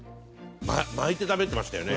巻いて食べてましたよね。